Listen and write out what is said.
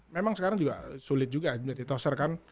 memang sekarang juga sulit juga menjadi toser kan